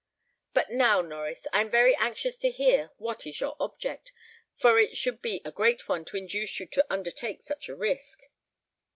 But now, Norries, I am very anxious to hear what is your object, for it should be a great one to induce you to undertake such a risk."